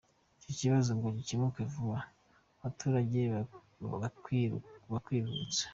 Iki kibazo ngo gikemutse vuba abaturage bakwiruhutsa.